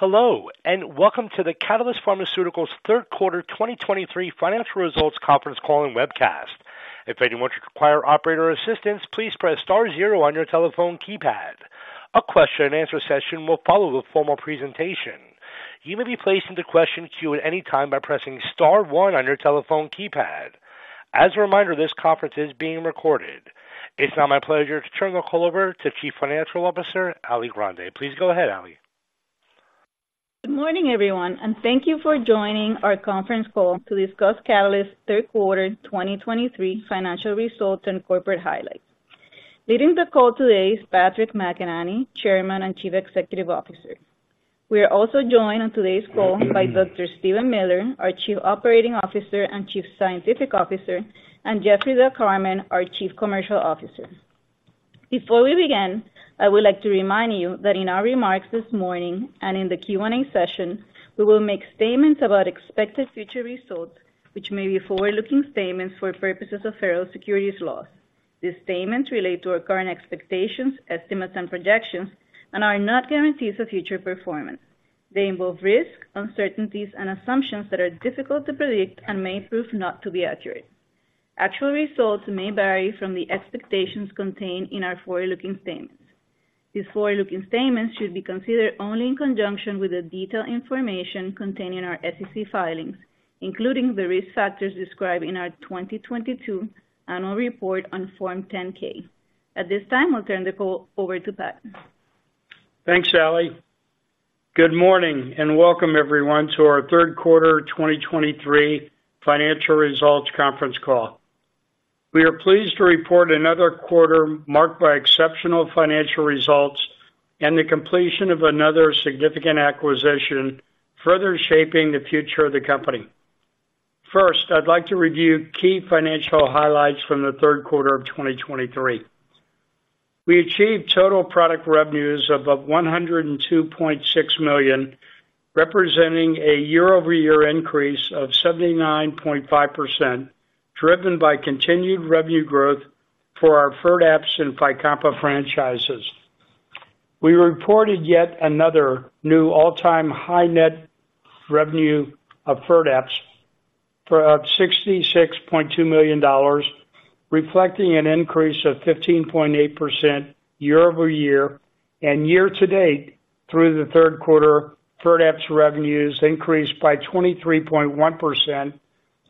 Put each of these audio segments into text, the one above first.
Hello, and welcome to the Catalyst Pharmaceuticals third quarter 2023 financial results conference call and webcast. If anyone should require operator assistance, please press star zero on your telephone keypad. A question-and-answer session will follow the formal presentation. You may be placed into question queue at any time by pressing star one on your telephone keypad. As a reminder, this conference is being recorded. It's now my pleasure to turn the call over to Chief Financial Officer, Ali Grande. Please go ahead, Ali. Good morning, everyone, and thank you for joining our conference call to discuss Catalyst's third quarter 2023 financial results and corporate highlights. Leading the call today is Patrick McEnany, Chairman and Chief Executive Officer. We are also joined on today's call by Dr. Steven Miller, our Chief Operating Officer and Chief Scientific Officer, and Jeffrey Del Carmen, our Chief Commercial Officer. Before we begin, I would like to remind you that in our remarks this morning and in the Q&A session, we will make statements about expected future results, which may be forward-looking statements for purposes of federal securities laws. These statements relate to our current expectations, estimates, and projections and are not guarantees of future performance. They involve risks, uncertainties, and assumptions that are difficult to predict and may prove not to be accurate. Actual results may vary from the expectations contained in our forward-looking statements. These forward-looking statements should be considered only in conjunction with the detailed information contained in our SEC filings, including the risk factors described in our 2022 annual report on Form 10-K. At this time, I'll turn the call over to Pat. Thanks, Ali. Good morning, and welcome everyone to our third quarter 2023 financial results conference call. We are pleased to report another quarter marked by exceptional financial results and the completion of another significant acquisition, further shaping the future of the company. First, I'd like to review key financial highlights from the third quarter of 2023. We achieved total product revenues of $102.6 million, representing a year-over-year increase of 79.5%, driven by continued revenue growth for our FIRDAPSE and FYCOMPA franchises. We reported yet another new all-time high net revenue of FIRDAPSE for up $66.2 million, reflecting an increase of 15.8% year-over-year and year to date through the third quarter, FIRDAPSE revenues increased by 23.1%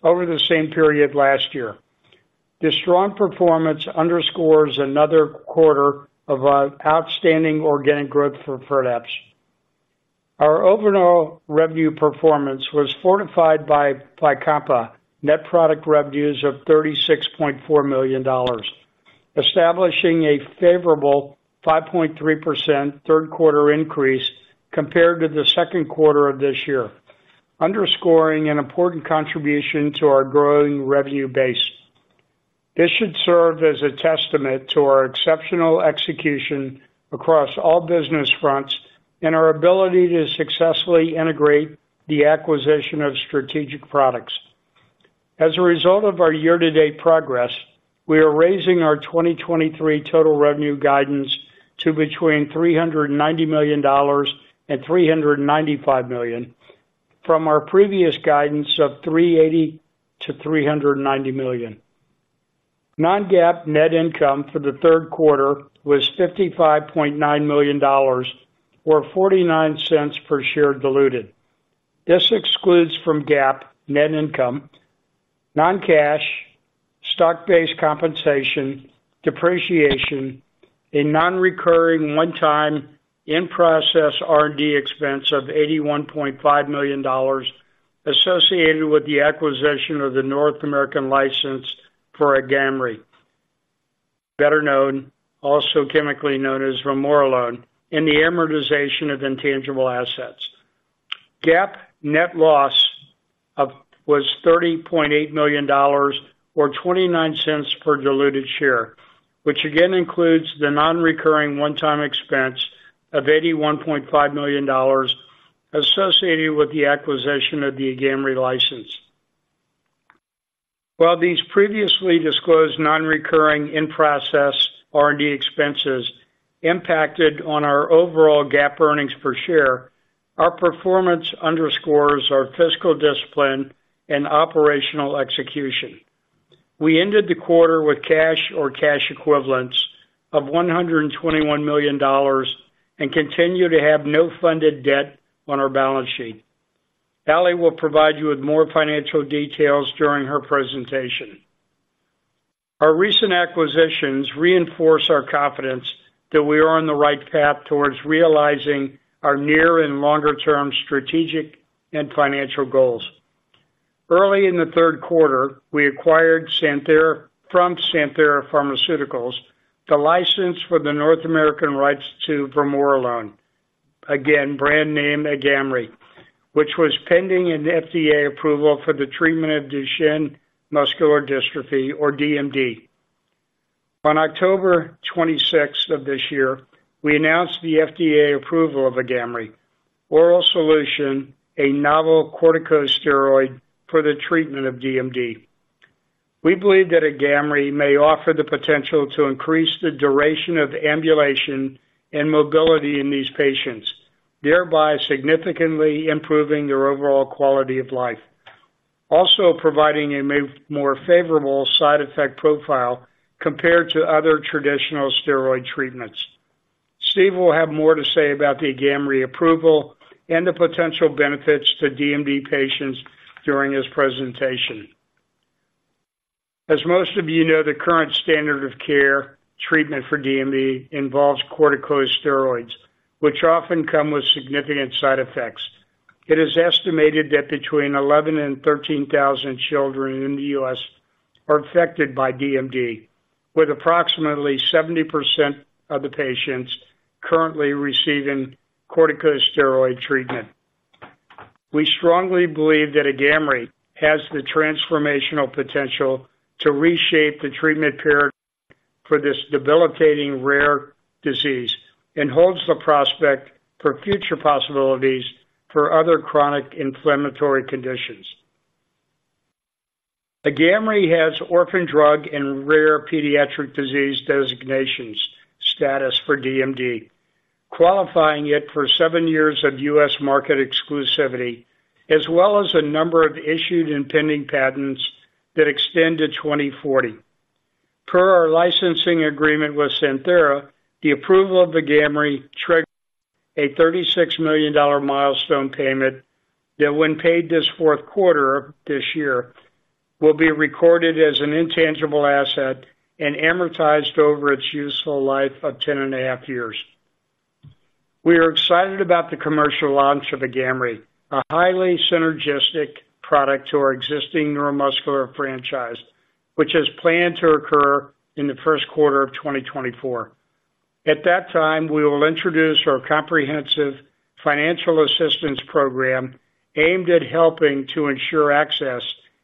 over the same period last year. This strong performance underscores another quarter of outstanding organic growth for FIRDAPSE. Our overall revenue performance was fortified by FYCOMPA net product revenues of $36.4 million, establishing a favorable 5.3% third quarter increase compared to the second quarter of this year, underscoring an important contribution to our growing revenue base. This should serve as a testament to our exceptional execution across all business fronts and our ability to successfully integrate the acquisition of strategic products. As a result of our year-to-date progress, we are raising our 2023 total revenue guidance to between $390 million and $395 million, from our previous guidance of $380 million-$390 million. Non-GAAP net income for the third quarter was $55.9 million, or $0.49 per share diluted. This excludes from GAAP net income, non-cash, stock-based compensation, depreciation, a non-recurring one-time in-process R&D expense of $81.5 million associated with the acquisition of the North American license for AGAMREE, better known, also chemically known as vamorolone, and the amortization of intangible assets. GAAP net loss was $30.8 million, or $0.29 per diluted share, which again includes the non-recurring one-time expense of $81.5 million associated with the acquisition of the AGAMREE license. While these previously disclosed non-recurring in-process R&D expenses impacted on our overall GAAP earnings per share, our performance underscores our fiscal discipline and operational execution. We ended the quarter with cash or cash equivalents of $121 million and continue to have no funded debt on our balance sheet. Ali will provide you with more financial details during her presentation. Our recent acquisitions reinforce our confidence that we are on the right path towards realizing our near and longer-term strategic and financial goals. Early in the third quarter, we acquired from Santhera Pharmaceuticals the license for the North American rights to vamorolone. Again, brand name AGAMREE, which was pending an FDA approval for the treatment of Duchenne Muscular Dystrophy or DMD. On October 26th of this year, we announced the FDA approval of AGAMREE oral solution, a novel corticosteroid for the treatment of DMD. We believe that AGAMREE may offer the potential to increase the duration of ambulation and mobility in these patients, thereby significantly improving their overall quality of life. Also providing a more favorable side effect profile compared to other traditional steroid treatments. Steve will have more to say about the AGAMREE approval and the potential benefits to DMD patients during his presentation. As most of you know, the current standard of care treatment for DMD involves corticosteroids, which often come with significant side effects. It is estimated that between 11,000 and 13,000 children in the U.S. are affected by DMD, with approximately 70% of the patients currently receiving corticosteroid treatment. We strongly believe that AGAMREE has the transformational potential to reshape the treatment paradigm for this debilitating, rare disease, and holds the prospect for future possibilities for other chronic inflammatory conditions. AGAMREE has orphan drug and rare pediatric disease designations status for DMD, qualifying it for seven years of U.S. market exclusivity, as well as a number of issued and pending patents that extend to 2040. Per our licensing agreement with Santhera, the approval of AGAMREE triggered a $36 million milestone payment that, when paid this fourth quarter of this year, will be recorded as an intangible asset and amortized over its useful life of 10.5 years. We are excited about the commercial launch of AGAMREE, a highly synergistic product to our existing neuromuscular franchise, which is planned to occur in the first quarter of 2024. At that time, we will introduce our comprehensive financial assistance program aimed at helping to ensure access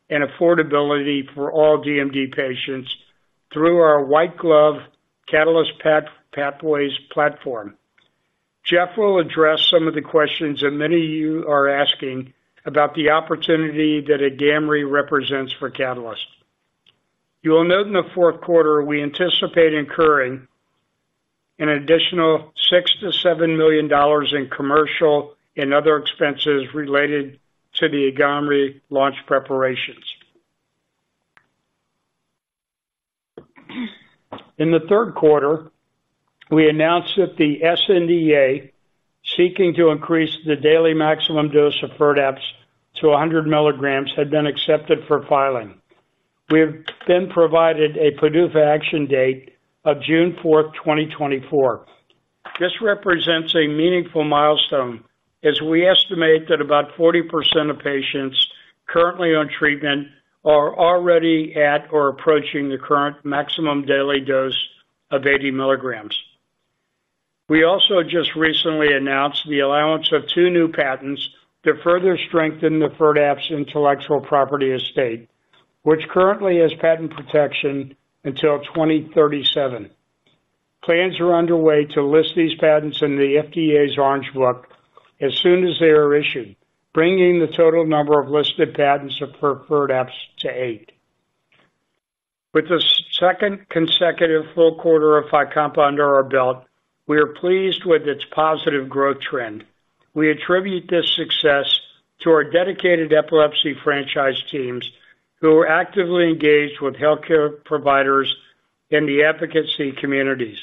and affordability for all DMD patients through our white glove Catalyst Pathways platform. Jeff will address some of the questions that many of you are asking about the opportunity that AGAMREE represents for Catalyst. You will note in the fourth quarter, we anticipate incurring an additional $6 million-$7 million in commercial and other expenses related to the AGAMREE launch preparations. In the third quarter, we announced that the sNDA, seeking to increase the daily maximum dose of FIRDAPSE to 100 mg, had been accepted for filing. We have been provided a PDUFA action date of June 4, 2024. This represents a meaningful milestone as we estimate that about 40% of patients currently on treatment are already at or approaching the current maximum daily dose of 80 mg. We also just recently announced the allowance of two new patents that further strengthen the FIRDAPSE intellectual property estate, which currently has patent protection until 2037. Plans are underway to list these patents in the FDA's Orange Book as soon as they are issued, bringing the total number of listed patents for FIRDAPSE to eight. With the second consecutive full quarter of FYCOMPA under our belt, we are pleased with its positive growth trend. We attribute this success to our dedicated epilepsy franchise teams, who are actively engaged with healthcare providers in the advocacy communities.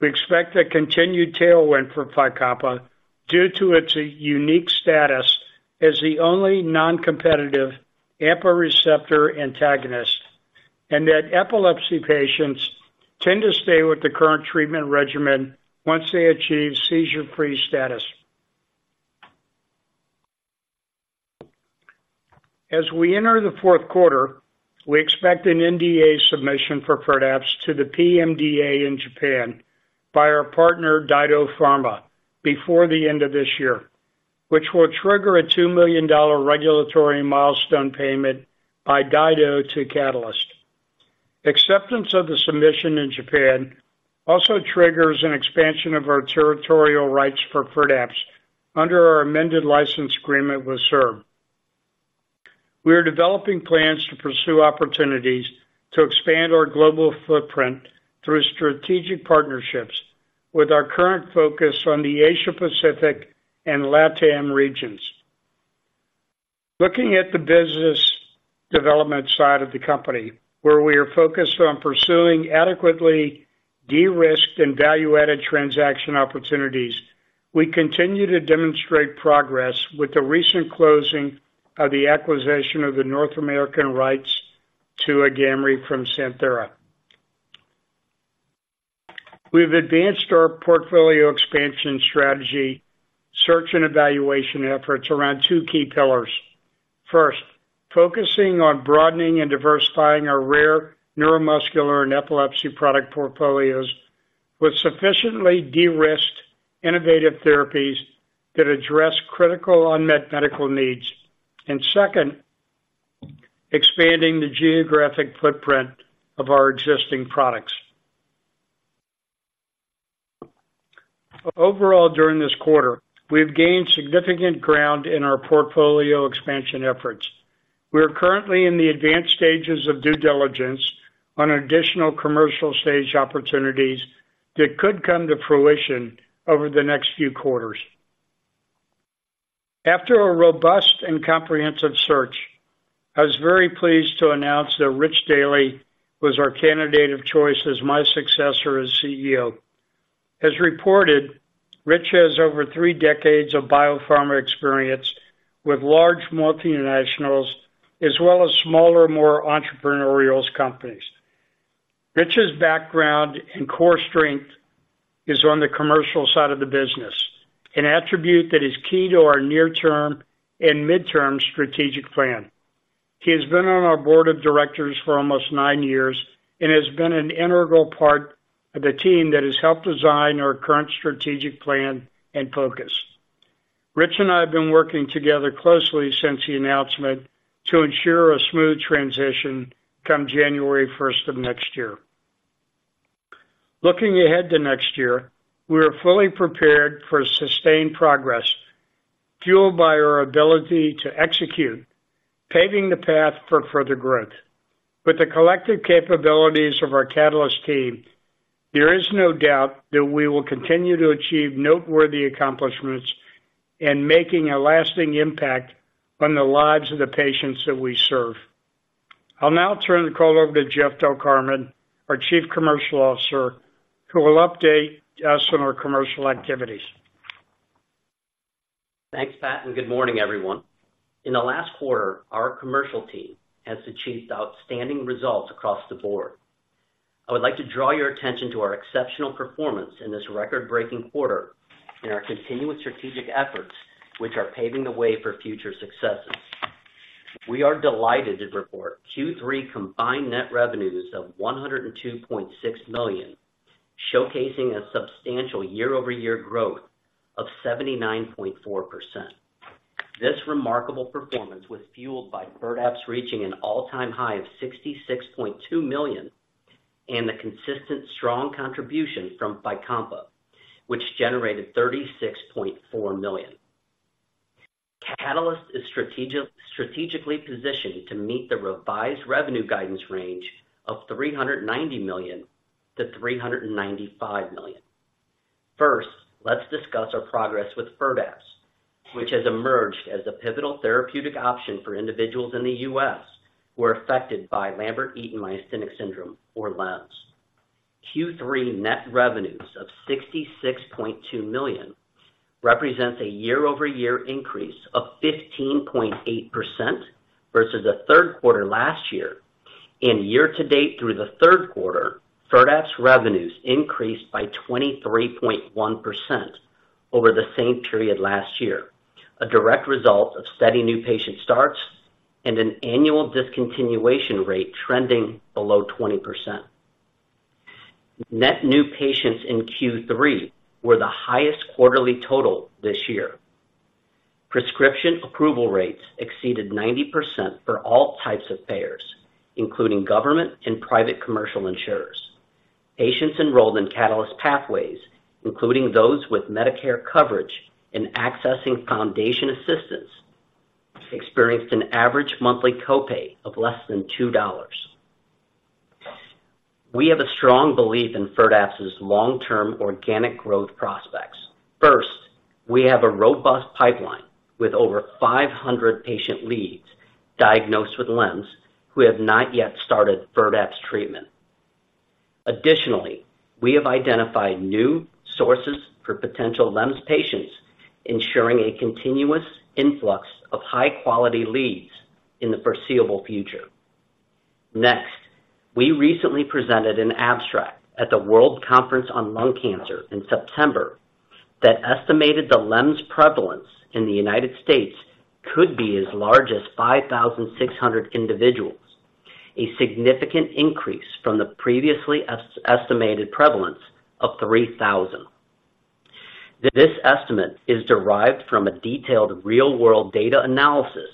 We expect a continued tailwind for FYCOMPA due to its unique status as the only non-competitive AMPA receptor antagonist, and that epilepsy patients tend to stay with the current treatment regimen once they achieve seizure-free status. As we enter the fourth quarter, we expect an NDA submission for FIRDAPSE to the PMDA in Japan by our partner, DyDo Pharma, before the end of this year, which will trigger a $2 million regulatory milestone payment by DyDo to Catalyst. Acceptance of the submission in Japan also triggers an expansion of our territorial rights for FIRDAPSE under our amended license agreement with SERB. We are developing plans to pursue opportunities to expand our global footprint through strategic partnerships with our current focus on the Asia-Pacific and LATAM regions. Looking at the business development side of the company, where we are focused on pursuing adequately de-risked and value-added transaction opportunities, we continue to demonstrate progress with the recent closing of the acquisition of the North American rights to AGAMREE from Santhera. We've advanced our portfolio expansion strategy, search, and evaluation efforts around two key pillars. First, focusing on broadening and diversifying our rare neuromuscular and epilepsy product portfolios with sufficiently de-risked innovative therapies that address critical unmet medical needs. Second, expanding the geographic footprint of our existing products. Overall, during this quarter, we have gained significant ground in our portfolio expansion efforts. We are currently in the advanced stages of due diligence on additional commercial stage opportunities that could come to fruition over the next few quarters. After a robust and comprehensive search, I was very pleased to announce that Rich Daly was our candidate of choice as my successor as CEO. As reported, Rich has over three decades of biopharma experience with large multinationals, as well as smaller, more entrepreneurial companies. Rich's background and core strength is on the commercial side of the business, an attribute that is key to our near-term and midterm strategic plan. He has been on our board of directors for almost nine years and has been an integral part of the team that has helped design our current strategic plan and focus. Rich and I have been working together closely since the announcement to ensure a smooth transition come January 1st of next year. Looking ahead to next year, we are fully prepared for sustained progress, fueled by our ability to execute, paving the path for further growth. With the collective capabilities of our Catalyst team, there is no doubt that we will continue to achieve noteworthy accomplishments and making a lasting impact on the lives of the patients that we serve. I'll now turn the call over to Jeff Del Carmen, our Chief Commercial Officer, who will update us on our commercial activities. Thanks, Pat, and good morning, everyone. In the last quarter, our commercial team has achieved outstanding results across the board. I would like to draw your attention to our exceptional performance in this record-breaking quarter and our continuous strategic efforts, which are paving the way for future successes. We are delighted to report Q3 combined net revenues of $102.6 million, showcasing a substantial year-over-year growth of 79.4%. This remarkable performance was fueled by FIRDAPSE reaching an all-time high of $66.2 million and the consistent strong contribution from FYCOMPA, which generated $36.4 million. Catalyst is strategically, strategically positioned to meet the revised revenue guidance range of $390 million-$395 million. First, let's discuss our progress with FIRDAPSE, which has emerged as a pivotal therapeutic option for individuals in the U.S. who are affected by Lambert-Eaton myasthenic syndrome or LEMS. Q3 net revenues of $66.2 million represents a year-over-year increase of 15.8% versus the third quarter last year and year-to-date through the third quarter, FIRDAPSE revenues increased by 23.1% over the same period last year, a direct result of steady new patient starts and an annual discontinuation rate trending below 20%. Net new patients in Q3 were the highest quarterly total this year. Prescription approval rates exceeded 90% for all types of payers, including government and private commercial insurers. Patients enrolled in Catalyst Pathways, including those with Medicare coverage and accessing foundation assistance, experienced an average monthly copay of less than $2. We have a strong belief in FIRDAPSE's long-term organic growth prospects. First, we have a robust pipeline with over 500 patient leads diagnosed with LEMS, who have not yet started FIRDAPSE treatment. Additionally, we have identified new sources for potential LEMS patients, ensuring a continuous influx of high-quality leads in the foreseeable future. Next, we recently presented an abstract at the World Conference on Lung Cancer in September that estimated the LEMS prevalence in the United States could be as large as 5,600 individuals, a significant increase from the previously estimated prevalence of 3,000. This estimate is derived from a detailed real-world data analysis,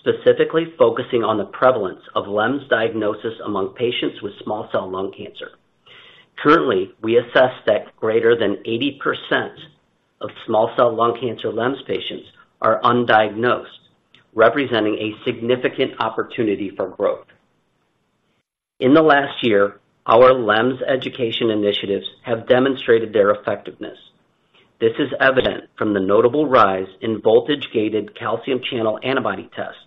specifically focusing on the prevalence of LEMS diagnosis among patients with small cell lung cancer. Currently, we assess that greater than 80% of small cell lung cancer LEMS patients are undiagnosed, representing a significant opportunity for growth. In the last year, our LEMS education initiatives have demonstrated their effectiveness. This is evident from the notable rise in voltage-gated calcium channel antibody tests,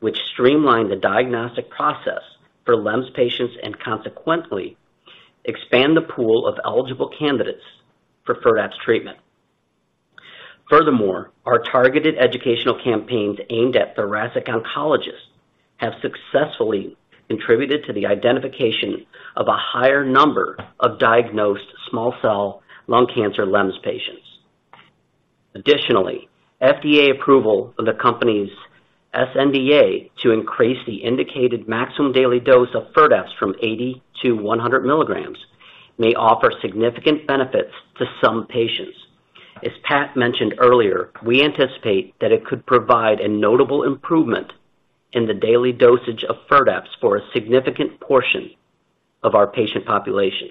which streamline the diagnostic process for LEMS patients, and consequently expand the pool of eligible candidates for FIRDAPSE treatment. Furthermore, our targeted educational campaigns aimed at thoracic oncologists have successfully contributed to the identification of a higher number of diagnosed small cell lung cancer LEMS patients. Additionally, FDA approval of the company's sNDA to increase the indicated maximum daily dose of FIRDAPSE from 80 mg-100 mg may offer significant benefits to some patients. As Pat mentioned earlier, we anticipate that it could provide a notable improvement in the daily dosage of FIRDAPSE for a significant portion... of our patient population.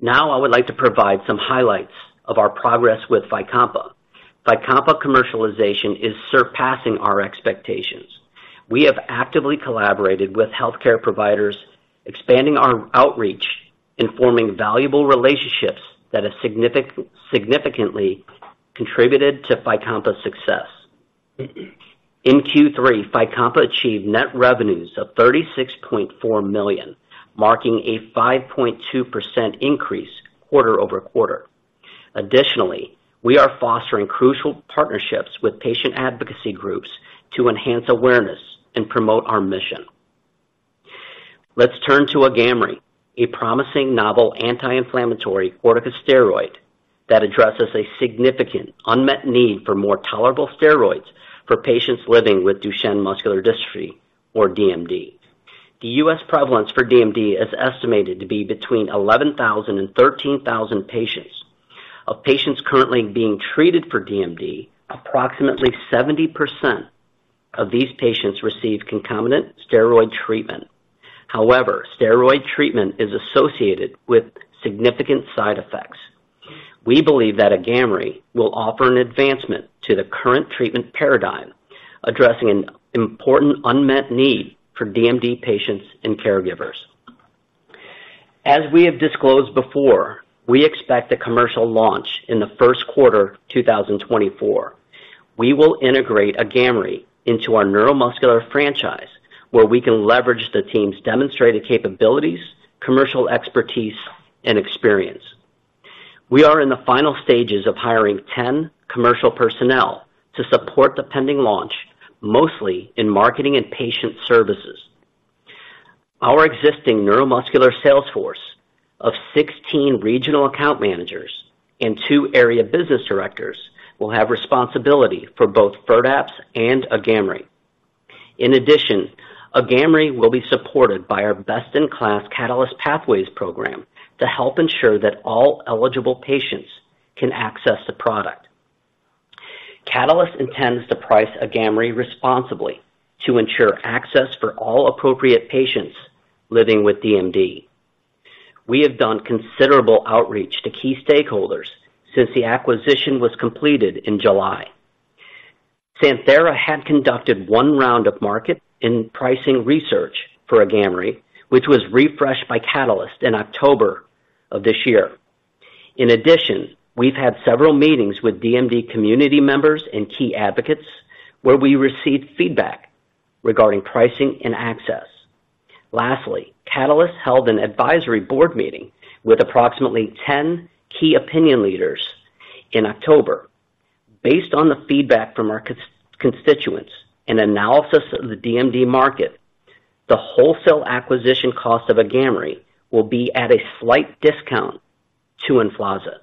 Now, I would like to provide some highlights of our progress with FYCOMPA. FYCOMPA commercialization is surpassing our expectations. We have actively collaborated with healthcare providers, expanding our outreach and forming valuable relationships that have significantly contributed to FYCOMPA's success. In Q3, FYCOMPA achieved net revenues of $36.4 million, marking a 5.2% increase quarter-over-quarter. Additionally, we are fostering crucial partnerships with patient advocacy groups to enhance awareness and promote our mission. Let's turn to AGAMREE, a promising novel anti-inflammatory corticosteroid that addresses a significant unmet need for more tolerable steroids for patients living with Duchenne Muscular Dystrophy or DMD. The U.S. prevalence for DMD is estimated to be between 11,000 and 13,000 patients. Of patients currently being treated for DMD, approximately 70% of these patients receive concomitant steroid treatment. However, steroid treatment is associated with significant side effects. We believe that AGAMREE will offer an advancement to the current treatment paradigm, addressing an important unmet need for DMD patients and caregivers. As we have disclosed before, we expect a commercial launch in the first quarter 2024. We will integrate AGAMREE into our neuromuscular franchise, where we can leverage the team's demonstrated capabilities, commercial expertise, and experience. We are in the final stages of hiring 10 commercial personnel to support the pending launch, mostly in marketing and patient services. Our existing neuromuscular sales force of 16 regional account managers and two area business directors will have responsibility for both FIRDAPSE and AGAMREE. In addition, AGAMREE will be supported by our best-in-class Catalyst Pathways program to help ensure that all eligible patients can access the product. Catalyst intends to price AGAMREE responsibly to ensure access for all appropriate patients living with DMD. We have done considerable outreach to key stakeholders since the acquisition was completed in July. Santhera had conducted one round of market and pricing research for AGAMREE, which was refreshed by Catalyst in October of this year. In addition, we've had several meetings with DMD community members and key advocates, where we received feedback regarding pricing and access. Lastly, Catalyst held an advisory board meeting with approximately 10 key opinion leaders in October. Based on the feedback from our constituents and analysis of the DMD market, the wholesale acquisition cost of AGAMREE will be at a slight discount to Emflaza.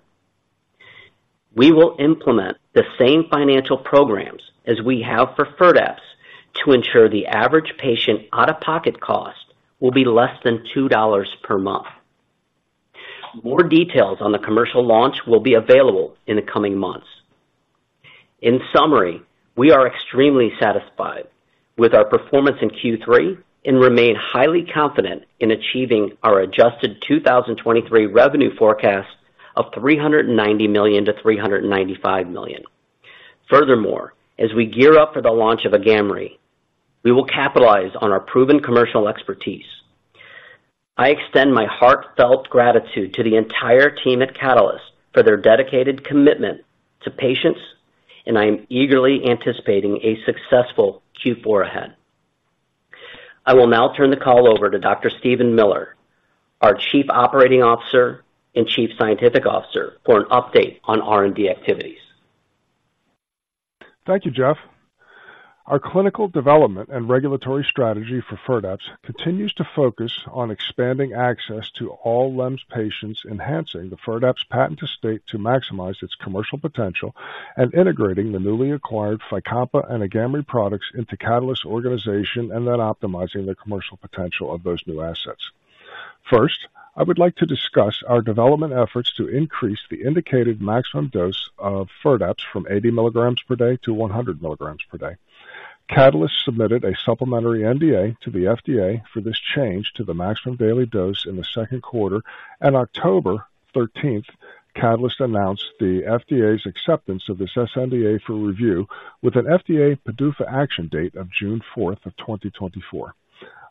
We will implement the same financial programs as we have for FIRDAPSE to ensure the average patient out-of-pocket cost will be less than $2 per month. More details on the commercial launch will be available in the coming months. In summary, we are extremely satisfied with our performance in Q3 and remain highly confident in achieving our adjusted 2023 revenue forecast of $390 million-$395 million. Furthermore, as we gear up for the launch of AGAMREE, we will capitalize on our proven commercial expertise. I extend my heartfelt gratitude to the entire team at Catalyst for their dedicated commitment to patients, and I am eagerly anticipating a successful Q4 ahead. I will now turn the call over to Dr. Steven Miller, our Chief Operating Officer and Chief Scientific Officer, for an update on R&D activities. Thank you, Jeff. Our clinical development and regulatory strategy for FIRDAPSE continues to focus on expanding access to all LEMS patients, enhancing the FIRDAPSE patent estate to maximize its commercial potential, and integrating the newly acquired FYCOMPA and AGAMREE products into Catalyst's organization, and then optimizing the commercial potential of those new assets. First, I would like to discuss our development efforts to increase the indicated maximum dose of FIRDAPSE from 80 mg per day to 100 mg per day. Catalyst submitted a supplementary NDA to the FDA for this change to the maximum daily dose in the second quarter. On October 13, Catalyst announced the FDA's acceptance of this sNDA for review, with an FDA PDUFA action date of June 4, 2024.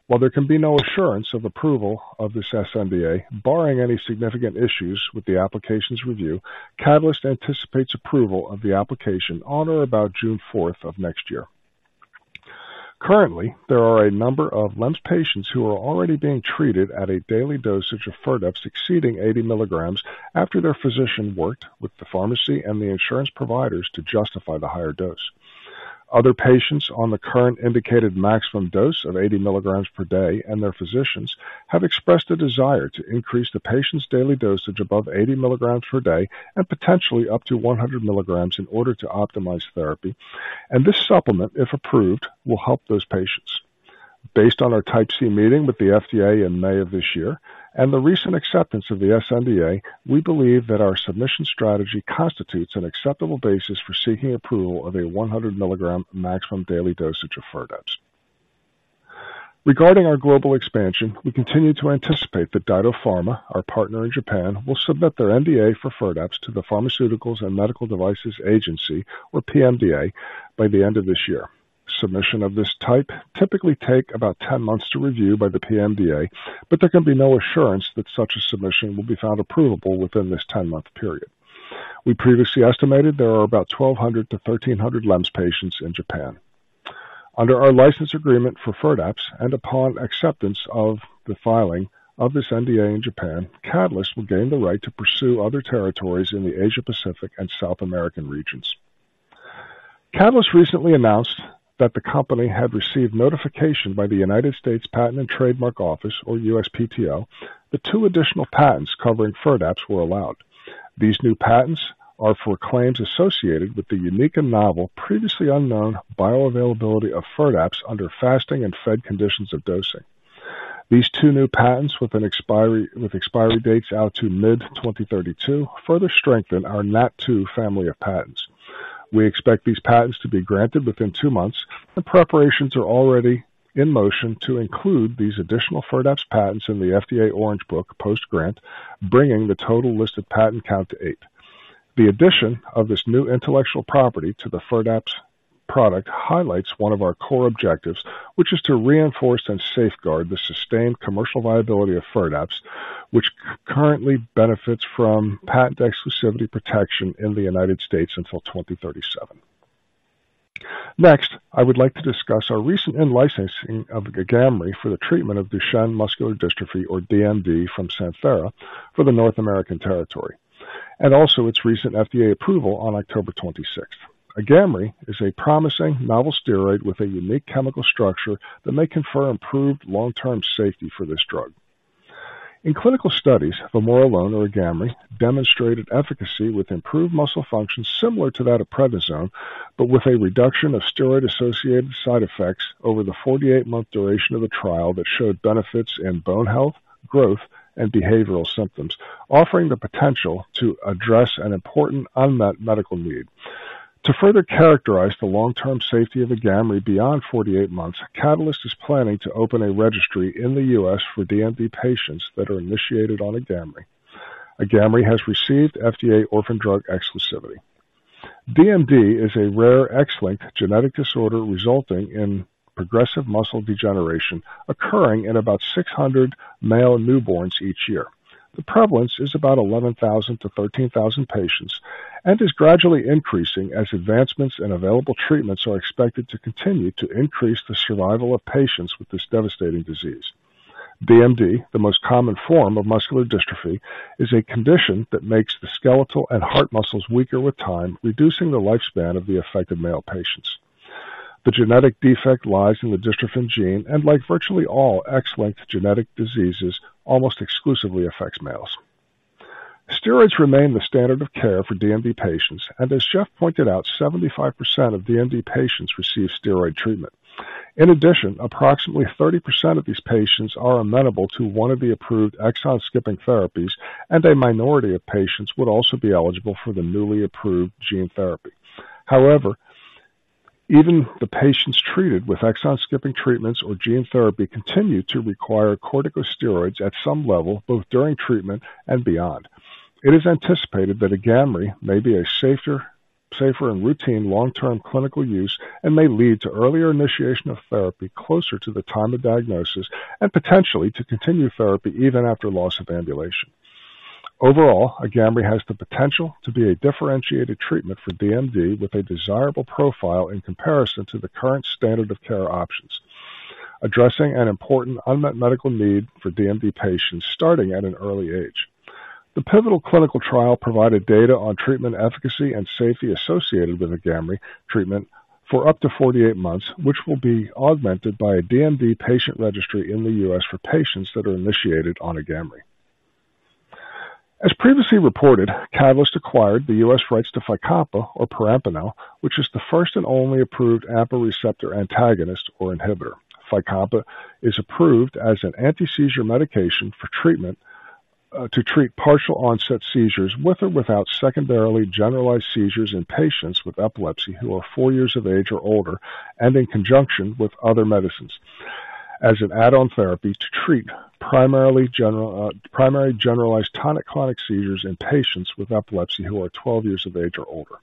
While there can be no assurance of approval of this sNDA, barring any significant issues with the application's review, Catalyst anticipates approval of the application on or about June 4th of next year. Currently, there are a number of LEMS patients who are already being treated at a daily dosage of FIRDAPSE exceeding 80 mg after their physician worked with the pharmacy and the insurance providers to justify the higher dose. Other patients on the current indicated maximum dose of 80 mg per day, and their physicians, have expressed a desire to increase the patient's daily dosage above 80 mg per day and potentially up to 100 mg in order to optimize therapy, and this supplement, if approved, will help those patients. Based on our Type C meeting with the FDA in May of this year and the recent acceptance of the sNDA, we believe that our submission strategy constitutes an acceptable basis for seeking approval of a 100 mg maximum daily dosage of FIRDAPSE. Regarding our global expansion, we continue to anticipate that DyDo Pharma, our partner in Japan, will submit their NDA for FIRDAPSE to the Pharmaceuticals and Medical Devices Agency, or PMDA, by the end of this year. Submission of this type typically take about 10 months to review by the PMDA, but there can be no assurance that such a submission will be found approvable within this 10-month period. We previously estimated there are about 1,200-1,300 LEMS patients in Japan. Under our license agreement for FIRDAPSE, and upon acceptance of the filing of this NDA in Japan, Catalyst will gain the right to pursue other territories in the Asia-Pacific and South American regions. Catalyst recently announced that the company had received notification by the United States Patent and Trademark Office, or USPTO, that two additional patents covering FIRDAPSE were allowed. These new patents are for claims associated with the unique and novel, previously unknown bioavailability of FIRDAPSE under fasting and fed conditions of dosing. These two new patents, with expiry dates out to mid-2032, further strengthen our NAT2 family of patents. We expect these patents to be granted within two months, and preparations are already in motion to include these additional FIRDAPSE patents in the FDA Orange Book post-grant, bringing the total listed patent count to eight. The addition of this new intellectual property to the FIRDAPSE product highlights one of our core objectives, which is to reinforce and safeguard the sustained commercial viability of FIRDAPSE, which currently benefits from patent exclusivity protection in the United States until 2037. Next, I would like to discuss our recent in-licensing of AGAMREE for the treatment of Duchenne Muscular Dystrophy, or DMD, from Santhera for the North America territory, and also its recent FDA approval on October 26th. AGAMREE is a promising novel steroid with a unique chemical structure that may confer improved long-term safety for this drug. In clinical studies, vamorolone or AGAMREE, demonstrated efficacy with improved muscle function similar to that of prednisone, but with a reduction of steroid-associated side effects over the 48-month duration of the trial that showed benefits in bone health, growth, and behavioral symptoms, offering the potential to address an important unmet medical need. To further characterize the long-term safety of AGAMREE beyond 48 months, Catalyst is planning to open a registry in the U.S. for DMD patients that are initiated on AGAMREE. AGAMREE has received FDA orphan drug exclusivity. DMD is a rare X-linked genetic disorder resulting in progressive muscle degeneration, occurring in about 600 male newborns each year. The prevalence is about 11,000-13,000 patients and is gradually increasing as advancements in available treatments are expected to continue to increase the survival of patients with this devastating disease. DMD, the most common form of muscular dystrophy, is a condition that makes the skeletal and heart muscles weaker with time, reducing the lifespan of the affected male patients. The genetic defect lies in the dystrophin gene, and like virtually all X-linked genetic diseases, almost exclusively affects males. Steroids remain the standard of care for DMD patients, and as Jeff pointed out, 75% of DMD patients receive steroid treatment. In addition, approximately 30% of these patients are amenable to one of the approved exon-skipping therapies, and a minority of patients would also be eligible for the newly approved gene therapy. However, even the patients treated with exon-skipping treatments or gene therapy continue to require corticosteroids at some level, both during treatment and beyond. It is anticipated that AGAMREE may be a safer and routine long-term clinical use and may lead to earlier initiation of therapy closer to the time of diagnosis and potentially to continued therapy even after loss of ambulation. Overall, AGAMREE has the potential to be a differentiated treatment for DMD, with a desirable profile in comparison to the current standard of care options, addressing an important unmet medical need for DMD patients starting at an early age. The pivotal clinical trial provided data on treatment efficacy and safety associated with AGAMREE treatment for up to 48 months, which will be augmented by a DMD patient registry in the U.S. for patients that are initiated on AGAMREE. As previously reported, Catalyst acquired the U.S. rights to FYCOMPA, or perampanel, which is the first and only approved AMPA receptor antagonist or inhibitor. FYCOMPA is approved as an anti-seizure medication for treatment, to treat partial onset seizures, with or without secondarily generalized seizures, in patients with epilepsy who are four years of age or older, and in conjunction with other medicines as an add-on therapy to treat primarily general, primary generalized tonic-clonic seizures in patients with epilepsy who are 12 years of age or older.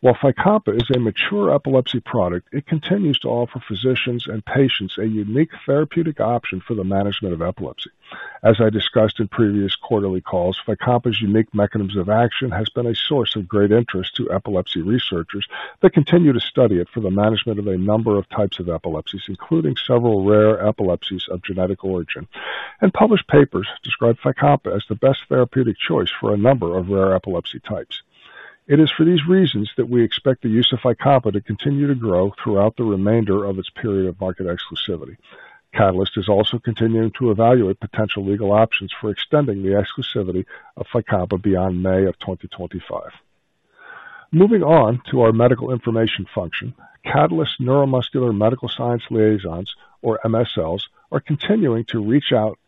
While FYCOMPA is a mature epilepsy product, it continues to offer physicians and patients a unique therapeutic option for the management of epilepsy. As I discussed in previous quarterly calls, FYCOMPA's unique mechanisms of action has been a source of great interest to epilepsy researchers that continue to study it for the management of a number of types of epilepsies, including several rare epilepsies of genetic origin. Published papers describe FYCOMPA as the best therapeutic choice for a number of rare epilepsy types. It is for these reasons that we expect the use of FYCOMPA to continue to grow throughout the remainder of its period of market exclusivity. Catalyst is also continuing to evaluate potential legal options for extending the exclusivity of FYCOMPA beyond May of 2025. Moving on to our medical information function. Catalyst Neuromuscular Medical Science Liaisons, or MSLs, are continuing to reach out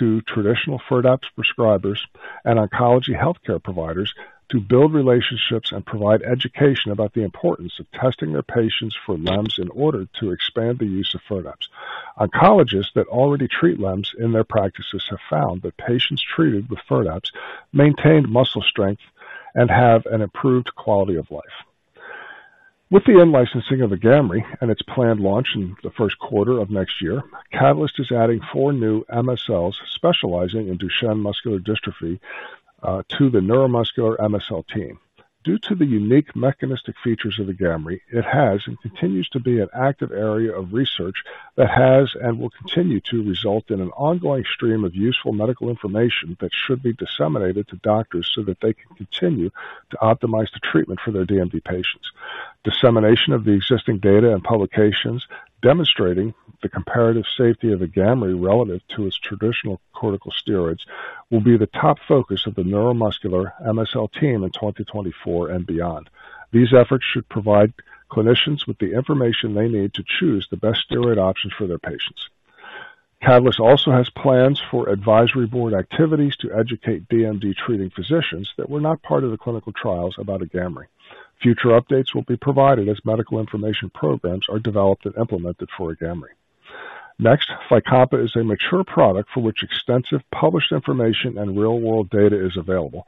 to traditional FIRDAPSE prescribers and oncology healthcare providers to build relationships and provide education about the importance of testing their patients for LEMS in order to expand the use of FIRDAPSE. Oncologists that already treat LEMS in their practices have found that patients treated with FIRDAPSE maintained muscle strength and have an improved quality of life. With the in-licensing of AGAMREE and its planned launch in the first quarter of next year, Catalyst is adding four new MSLs specializing in Duchenne Muscular Dystrophy to the neuromuscular MSL team. Due to the unique mechanistic features of AGAMREE, it has and continues to be an active area of research that has and will continue to result in an ongoing stream of useful medical information that should be disseminated to doctors so that they can continue to optimize the treatment for their DMD patients. Dissemination of the existing data and publications demonstrating the comparative safety of AGAMREE relative to its traditional corticosteroids will be the top focus of the neuromuscular MSL team in 2024 and beyond. These efforts should provide clinicians with the information they need to choose the best steroid options for their patients. Catalyst also has plans for advisory board activities to educate DMD treating physicians that were not part of the clinical trials about AGAMREE. Future updates will be provided as medical information programs are developed and implemented for AGAMREE. Next, FYCOMPA is a mature product for which extensive published information and real-world data is available,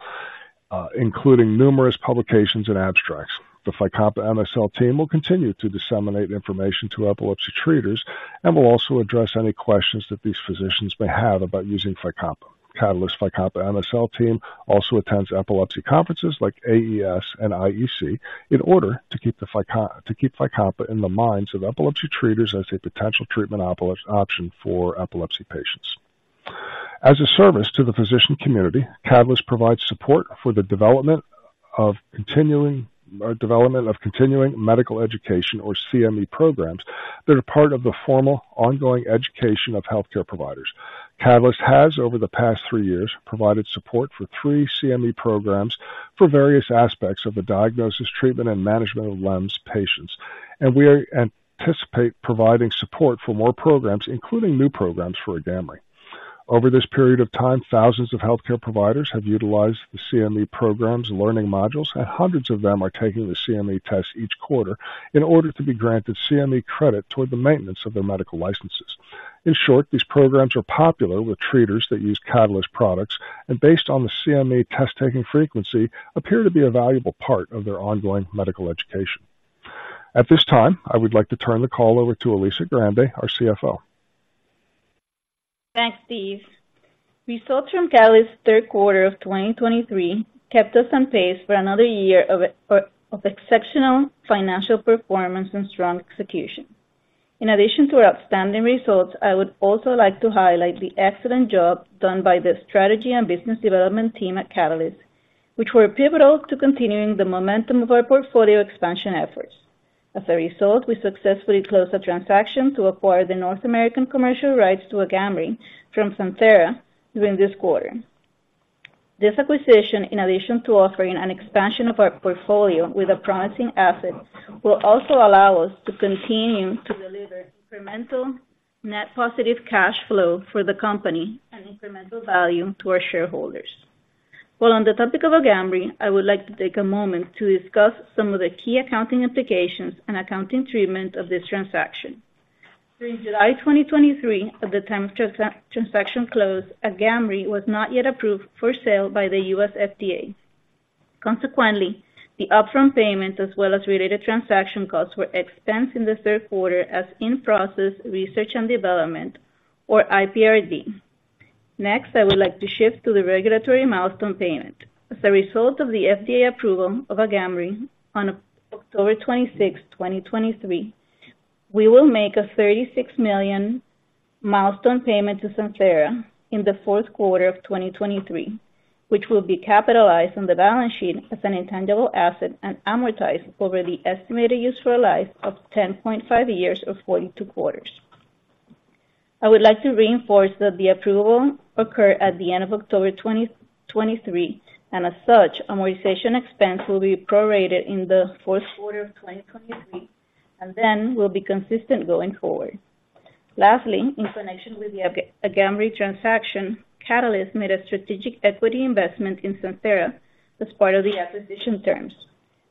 including numerous publications and abstracts. The FYCOMPA MSL team will continue to disseminate information to epilepsy treaters and will also address any questions that these physicians may have about using FYCOMPA. Catalyst FYCOMPA MSL team also attends epilepsy conferences like AES and IEC in order to keep FYCOMPA in the minds of epilepsy treaters as a potential treatment option for epilepsy patients. As a service to the physician community, Catalyst provides support for the development of continuing, development of continuing medical education, or CME programs, that are part of the formal, ongoing education of healthcare providers. Catalyst has, over the past three years, provided support for three CME programs for various aspects of the diagnosis, treatment, and management of LEMS patients, and we are anticipate providing support for more programs, including new programs, for AGAMREE. Over this period of time, thousands of healthcare providers have utilized the CME programs and learning modules, and hundreds of them are taking the CME test each quarter in order to be granted CME credit toward the maintenance of their medical licenses. In short, these programs are popular with treaters that use Catalyst products, and based on the CME test-taking frequency, appear to be a valuable part of their ongoing medical education. At this time, I would like to turn the call over to Alicia Grande, our CFO. Thanks, Steve. Results from Catalyst's third quarter of 2023 kept us on pace for another year of exceptional financial performance and strong execution. In addition to our outstanding results, I would also like to highlight the excellent job done by the strategy and business development team at Catalyst, which were pivotal to continuing the momentum of our portfolio expansion efforts. As a result, we successfully closed a transaction to acquire the North American commercial rights to AGAMREE from Santhera during this quarter. This acquisition, in addition to offering an expansion of our portfolio with a promising asset, will also allow us to continue to deliver incremental net positive cash flow for the company and incremental value to our shareholders. While on the topic of AGAMREE, I would like to take a moment to discuss some of the key accounting implications and accounting treatment of this transaction. During July 2023, at the time of transaction close, AGAMREE was not yet approved for sale by the U.S. FDA. Consequently, the upfront payments, as well as related transaction costs, were expensed in the third quarter as in-process research and development, or IPRD. Next, I would like to shift to the regulatory milestone payment. As a result of the FDA approval of AGAMREE on October 26, 2023, we will make a $36 million milestone payment to Santhera in the fourth quarter of 2023, which will be capitalized on the balance sheet as an intangible asset and amortized over the estimated useful life of 10.5 years or 42 quarters. I would like to reinforce that the approval occurred at the end of October 2023, and as such, amortization expense will be prorated in the fourth quarter of 2023 and then will be consistent going forward. Lastly, in connection with the AGAMREE transaction, Catalyst made a strategic equity investment in Santhera as part of the acquisition terms.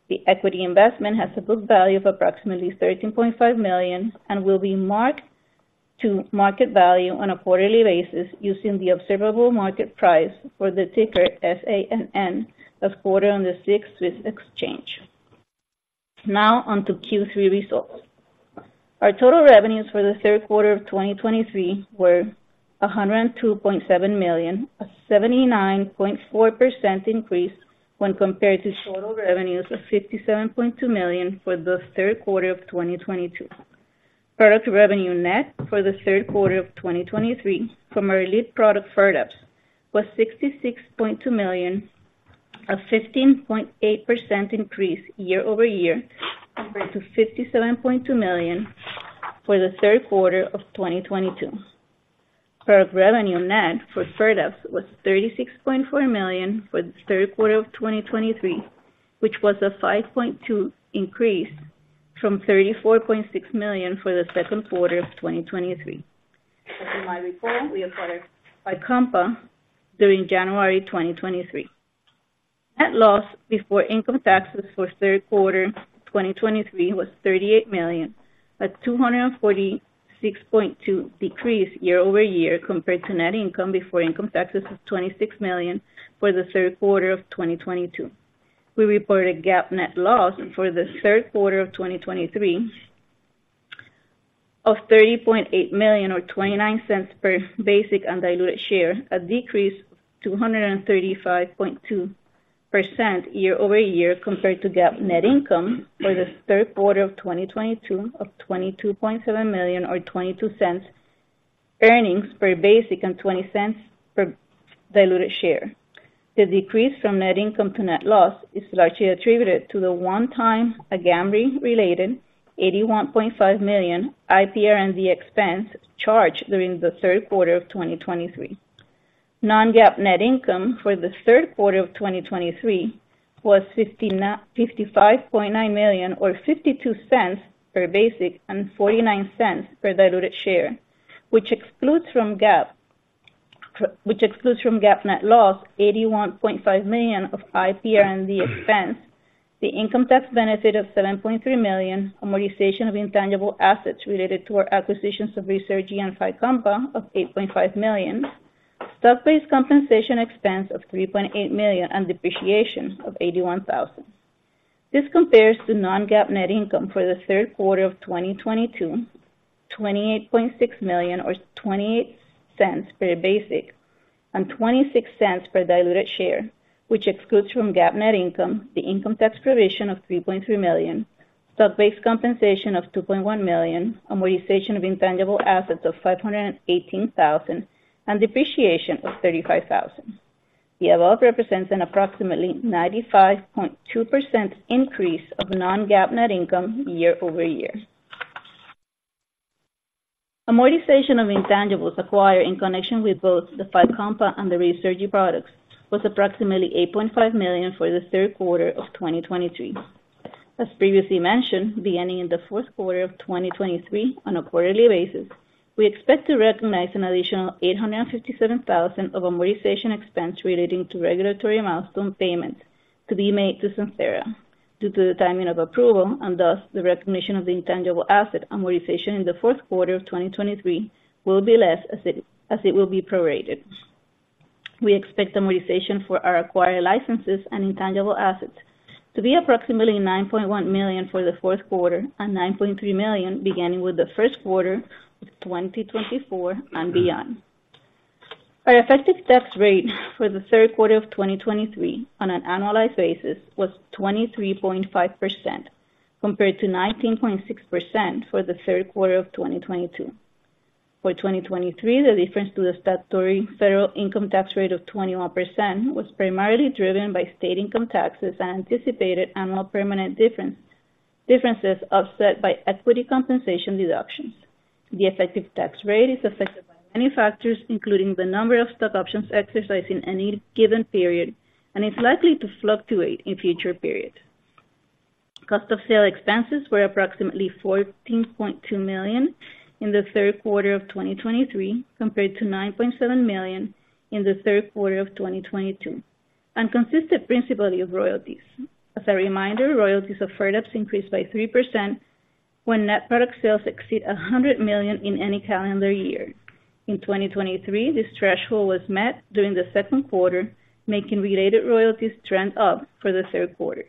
The equity investment has a book value of approximately $13.5 million and will be marked to market value on a quarterly basis using the observable market price for the ticker SANN, as quoted on the Swiss Exchange. Now on to Q3 results. Our total revenues for the third quarter of 2023 were $102.7 million, a 79.4% increase when compared to total revenues of $57.2 million for the third quarter of 2022. Product revenue net for the third quarter of 2023 from our lead product, FIRDAPSE, was $66.2 million, a 15.8% increase year-over-year, compared to $57.2 million for the third quarter of 2022. Product revenue net for FIRDAPSE was $36.4 million for the third quarter of 2023, which was a 5.2% increase from $34.6 million for the second quarter of 2023. As in my report, we acquired FYCOMPA during January 2023. Net loss before income taxes for the third quarter of 2023 was $38 million, a 246.2% decrease year-over-year compared to net income before income taxes of $26 million for the third quarter of 2022. We reported GAAP net loss for the third quarter of 2023 of $30.8 million, or $0.29 per basic and diluted share, a decrease of 135.2% year-over-year compared to GAAP net income for the third quarter of 2022 of $22.7 million or $0.22 earnings per basic and $0.20 per diluted share. The decrease from net income to net loss is largely attributed to the one-time AGAMREE-related $81.5 million IPRD expense charged during the third quarter of 2023. Non-GAAP net income for the third quarter of 2023 was $55.9 million or $0.52 per basic and $0.49 per diluted share, which excludes from GAAP net loss, $81.5 million of IPRD expense, the income tax benefit of $7.3 million, amortization of intangible assets related to our acquisitions of FIRDAPSE and FYCOMPA of $8.5 million, stock-based compensation expense of $3.8 million, and depreciation of $81,000. This compares to non-GAAP net income for the third quarter of 2022, $28.6 million or $0.20 per basic and $0.26 per diluted share, which excludes from GAAP net income, the income tax provision of $3.3 million, stock-based compensation of $2.1 million, amortization of intangible assets of $518,000, and depreciation of $35,000. The above represents an approximately 95.2% increase of non-GAAP net income year-over-year. Amortization of intangibles acquired in connection with both the FYCOMPA and the AGAMREE products was approximately $8.5 million for the third quarter of 2023. As previously mentioned, beginning in the fourth quarter of 2023 on a quarterly basis, we expect to recognize an additional $857,000 of amortization expense relating to regulatory milestone payments to be made to Santhera. Due to the timing of approval, and thus the recognition of the intangible asset, amortization in the fourth quarter of 2023 will be less as it will be prorated. We expect amortization for our acquired licenses and intangible assets to be approximately $9.1 million for the fourth quarter and $9.3 million beginning with the first quarter of 2024 and beyond. Our effective tax rate for the third quarter of 2023 on an annualized basis was 23.5%, compared to 19.6% for the third quarter of 2022. For 2023, the difference to the statutory federal income tax rate of 21% was primarily driven by state income taxes and anticipated annual permanent differences, offset by equity compensation deductions. The effective tax rate is affected by many factors, including the number of stock options exercised in any given period, and is likely to fluctuate in future periods. Cost of sale expenses were approximately $14.2 million in the third quarter of 2023, compared to $9.7 million in the third quarter of 2022, and consisted principally of royalties. As a reminder, royalties of FIRDAPSE increased by 3% when net product sales exceed $100 million in any calendar year. In 2023, this threshold was met during the second quarter, making related royalties trend up for the third quarter.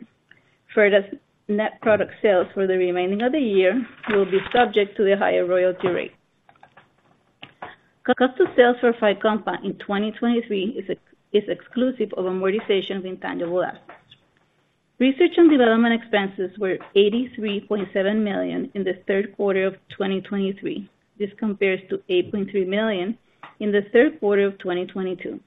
FIRDAPSE net product sales for the remaining of the year will be subject to the higher royalty rate. Cost of sales for FYCOMPA in 2023 is exclusive of amortization of intangible assets. Research and development expenses were $83.7 million in the third quarter of 2023. This compares to $8.3 million in the third quarter of 2022.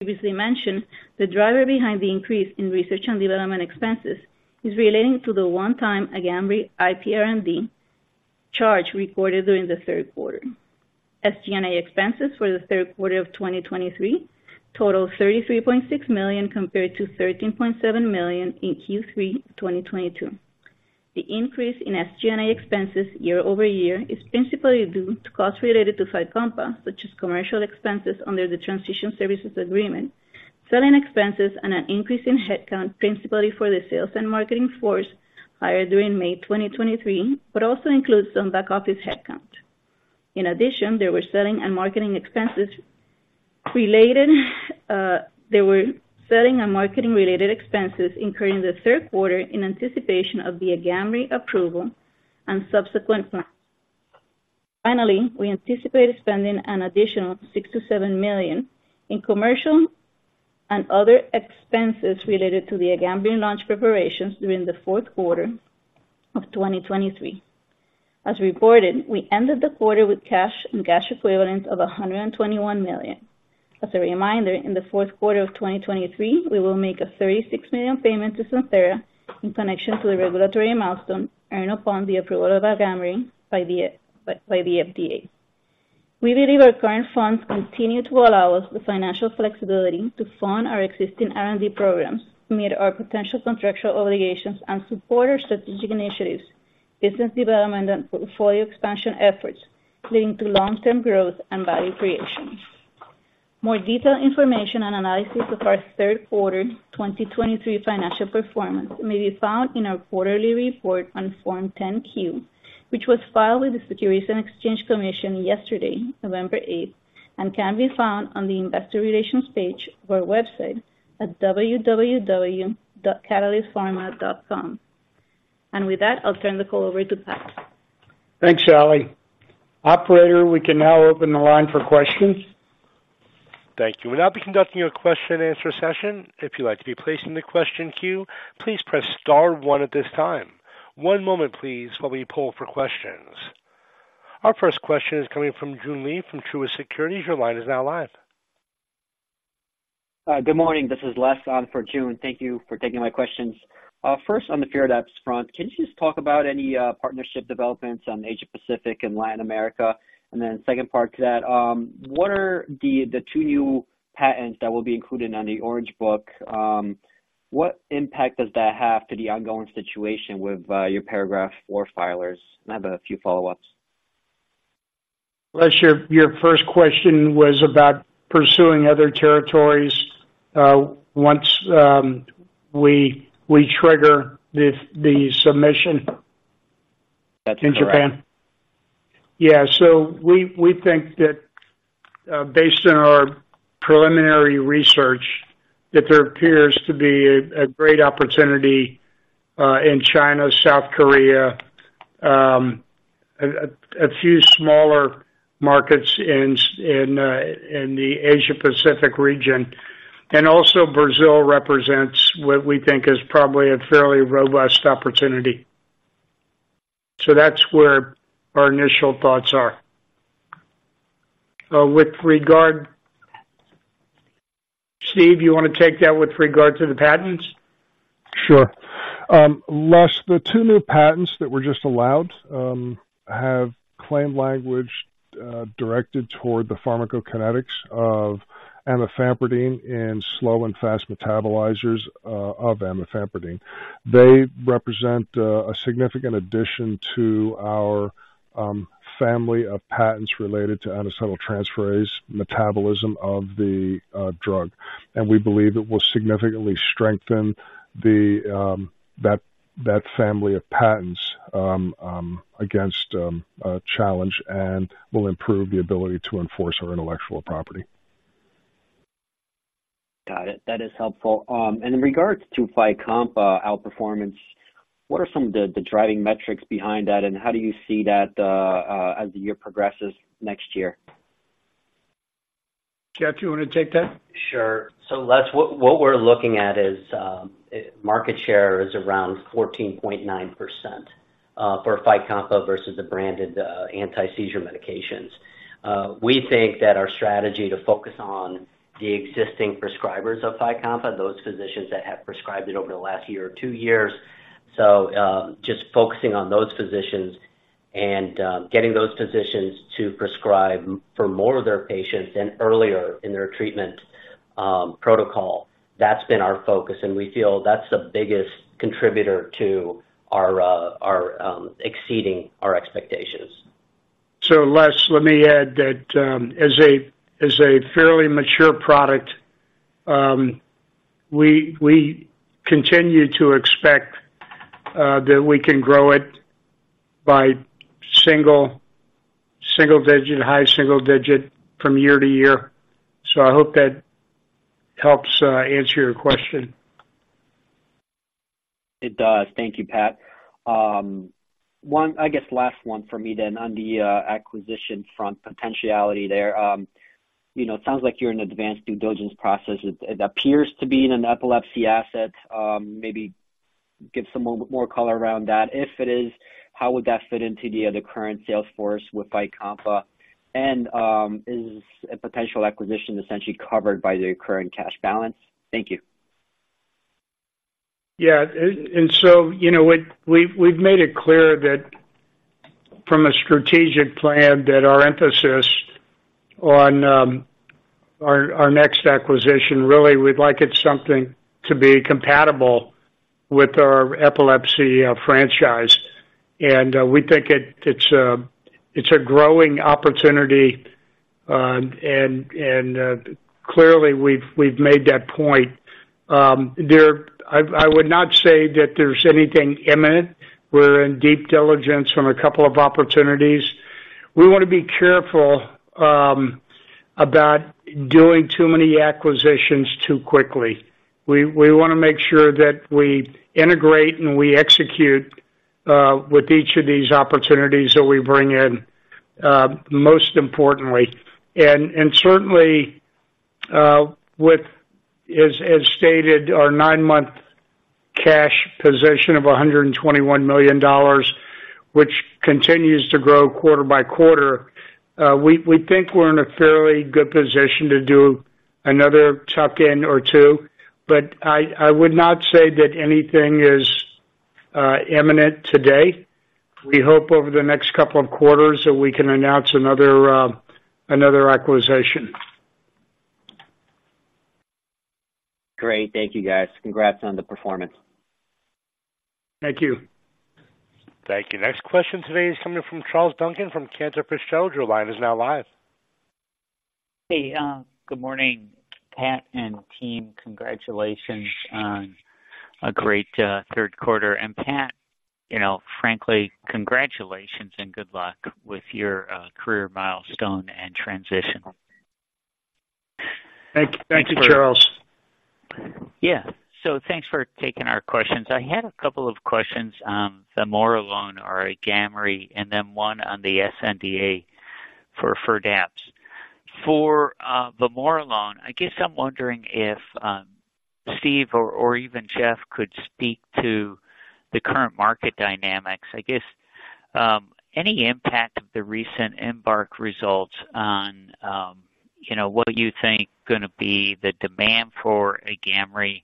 Previously mentioned, the driver behind the increase in research and development expenses is relating to the one-time AGAMREE IPRD charge recorded during the third quarter. SG&A expenses for the third quarter of 2023 totaled $33.6 million, compared to $13.7 million in Q3 2022. The increase in SG&A expenses year-over-year is principally due to costs related to FYCOMPA, such as commercial expenses under the Transition Services Agreement, selling expenses, and an increase in headcount, principally for the sales and marketing force hired during May 2023, but also includes some back-office headcount. In addition, there were selling and marketing expenses related, there were selling and marketing-related expenses incurred in the third quarter in anticipation of the AGAMREE approval and subsequent plans. Finally, we anticipated spending an additional $6 million-$7 million in commercial and other expenses related to the AGAMREE launch preparations during the fourth quarter of 2023. As reported, we ended the quarter with cash and cash equivalents of $121 million. As a reminder, in the fourth quarter of 2023, we will make a $36 million payment to Santhera in connection to the regulatory milestone earned upon the approval of AGAMREE by the FDA. We believe our current funds continue to allow us the financial flexibility to fund our existing R&D programs, meet our potential contractual obligations, and support our strategic initiatives, business development, and portfolio expansion efforts, leading to long-term growth and value creation. More detailed information and analysis of our third quarter 2023 financial performance may be found in our quarterly report on Form 10-Q, which was filed with the Securities and Exchange Commission yesterday, November 8, and can be found on the investor relations page of our website at www.catalystpharma.com. And with that, I'll turn the call over to Pat. Thanks, Ali. Operator, we can now open the line for questions. Thank you. We'll now be conducting a question and answer session. If you'd like to be placed in the question queue, please press star one at this time. One moment, please, while we poll for questions. Our first question is coming from Joon Lee from Truist Securities. Your line is now live. Good morning. This is Les, on for Joon. Thank you for taking my questions. First, on the FIRDAPSE front, can you just talk about any partnership developments on Asia-Pacific and Latin America? And then second part to that, what are the two new patents that will be included on the Orange Book? What impact does that have to the ongoing situation with your Paragraph IV filers? And I have a few follow-ups. Les, your first question was about pursuing other territories, once we trigger the submission- That's correct. -in Japan? Yeah. So we think that, based on our preliminary research, that there appears to be a great opportunity in China, South Korea, a few smaller markets in the Asia-Pacific region. And also Brazil represents what we think is probably a fairly robust opportunity. So that's where our initial thoughts are. With regard... Steve, you wanna take that with regard to the patents? Sure. Les, the two new patents that were just allowed have claim language directed toward the pharmacokinetics of amifampridine in slow and fast metabolizers of amifampridine. They represent a significant addition to our family of patents related to acetyltransferase metabolism of the drug, and we believe it will significantly strengthen that family of patents against a challenge and will improve the ability to enforce our intellectual property. Got it. That is helpful. In regards to FYCOMPA outperformance, what are some of the driving metrics behind that, and how do you see that as the year progresses next year? Jeff, do you wanna take that? Sure. So Les, what, what we're looking at is market share is around 14.9% for FYCOMPA versus the branded anti-seizure medications. We think that our strategy to focus on the existing prescribers of FYCOMPA, those physicians that have prescribed it over the last year or two years. So just focusing on those physicians and getting those physicians to prescribe for more of their patients and earlier in their treatment protocol, that's been our focus, and we feel that's the biggest contributor to our exceeding our expectations. So Les, let me add that, as a fairly mature product, we continue to expect that we can grow it by single, single digit, high single digit from year to year. So I hope that helps answer your question. It does. Thank you, Pat. One, I guess last one for me then. On the acquisition front, potentiality there, you know, it sounds like you're in an advanced due diligence process. It, it appears to be in an epilepsy asset. Maybe give some more, more color around that. If it is, how would that fit into the current sales force with FYCOMPA? And, is a potential acquisition essentially covered by the current cash balance? Thank you. Yeah, and so, you know, we've made it clear that from a strategic plan, that our emphasis on our next acquisition, really, we'd like it something to be compatible with our epilepsy franchise. And we think it's a growing opportunity, and clearly we've made that point. I would not say that there's anything imminent. We're in deep diligence from a couple of opportunities. We wanna be careful about doing too many acquisitions too quickly. We wanna make sure that we integrate and we execute with each of these opportunities that we bring in, most importantly. Certainly, with, as stated, our nine-month cash position of $121 million, which continues to grow quarter by quarter, we think we're in a fairly good position to do another tuck in or two, but I would not say that anything is imminent today. We hope over the next couple of quarters that we can announce another acquisition. Great. Thank you, guys. Congrats on the performance. Thank you. Thank you. Next question today is coming from Charles Duncan from Cantor Fitzgerald. Your line is now live. Hey, good morning, Pat and team. Congratulations on a great third quarter. And Pat, you know, frankly, congratulations and good luck with your career milestone and transition. Thank you, Charles. Yeah. So thanks for taking our questions. I had a couple of questions on the vamorolone or AGAMREE, and then one on the sNDA for FIRDAPSE. For the vamorolone, I guess I'm wondering if Steve or even Jeff could speak to the current market dynamics. I guess any impact of the recent EMBARK results on you know, what do you think going to be the demand for AGAMREE,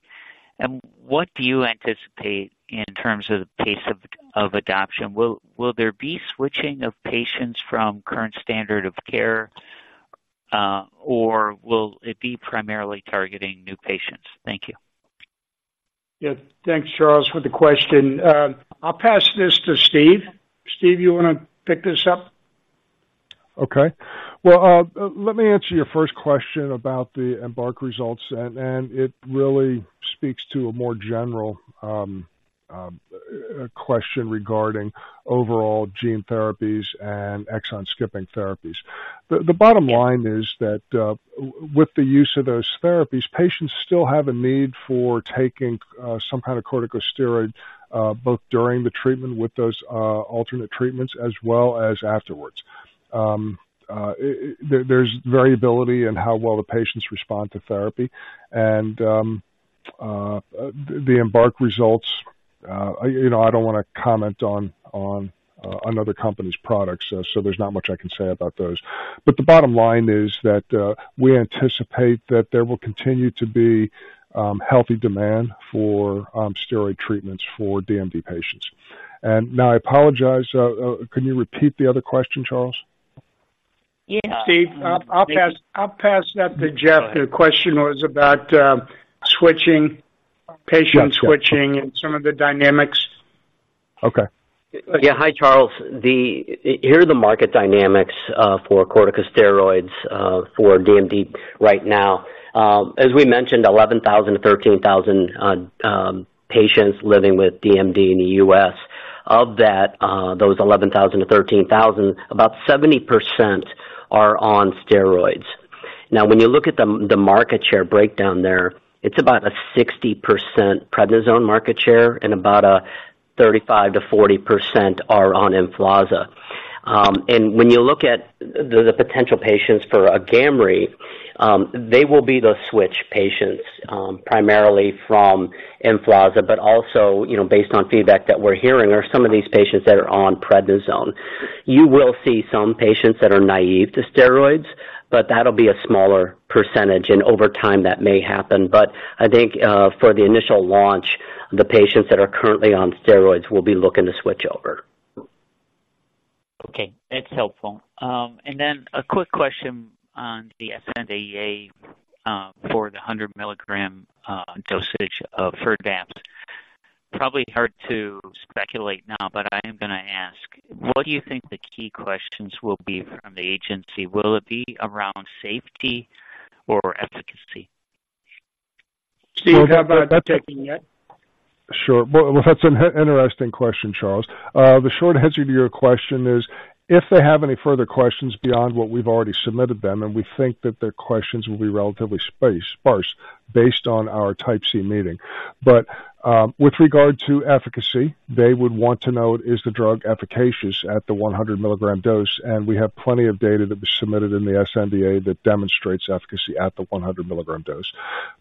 and what do you anticipate in terms of the pace of adoption? Will there be switching of patients from current standard of care or will it be primarily targeting new patients? Thank you. Yeah, thanks, Charles, for the question. I'll pass this to Steve. Steve, you wanna pick this up? Okay. Well, let me answer your first question about the EMBARK results, and it really speaks to a more general question regarding overall gene therapies and exon skipping therapies. The bottom line is that with the use of those therapies, patients still have a need for taking some kind of corticosteroid both during the treatment with those alternate treatments as well as afterwards. There's variability in how well the patients respond to therapy, and the EMBARK results, you know, I don't wanna comment on other company's products, so there's not much I can say about those. But the bottom line is that we anticipate that there will continue to be healthy demand for steroid treatments for DMD patients. Now I apologize. Can you repeat the other question, Charles? Yeah. Steve, I'll pass, I'll pass that to Jeff. The question was about, switching, patient switching- Got you. and some of the dynamics. Okay. Yeah. Hi, Charles. Here are the market dynamics for corticosteroids for DMD right now. As we mentioned, 11,000-13,000 patients living with DMD in the U.S. Of that, those 11,000-13,000, about 70% are on steroids. Now, when you look at the market share breakdown there, it's about a 60% prednisone market share and about a 35%-40% are on Emflaza. And when you look at the potential patients for AGAMREE, they will be the switch patients primarily from Emflaza, but also, you know, based on feedback that we're hearing, are some of these patients that are on prednisone. You will see some patients that are naive to steroids, but that'll be a smaller percentage, and over time, that may happen. I think, for the initial launch, the patients that are currently on steroids will be looking to switch over. Okay, that's helpful. And then a quick question on the sNDA, for the 100 mg, dosage of FIRDAPSE. Probably hard to speculate now, but I am gonna ask: What do you think the key questions will be from the agency? Will it be around safety or efficacy? Steve, how about taking that? Sure. Well, that's an interesting question, Charles. The short answer to your question is, if they have any further questions beyond what we've already submitted them, and we think that their questions will be relatively space-sparse based on our Type C meeting. But, with regard to efficacy, they would want to know, is the drug efficacious at the 100 mg dose? And we have plenty of data that was submitted in the sNDA that demonstrates efficacy at the 100 mg dose.